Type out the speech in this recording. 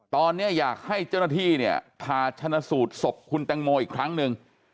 ตอนนี้อยากให้เจ้าหน้าที่เนี่ยผ่าชนะสูตรศพคุณแตงโมอีกครั้งหนึ่ง